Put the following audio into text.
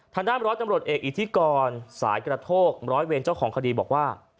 ร้อยตำรวจเอกอิทธิกรสายกระโทกร้อยเวรเจ้าของคดีบอกว่า